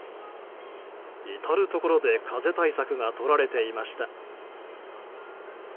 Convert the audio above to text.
至るところで風対策がとられていました。